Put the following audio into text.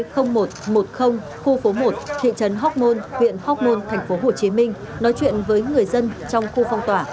khu phố một thị trấn hóc môn huyện hóc môn tp hcm nói chuyện với người dân trong khu phong tỏa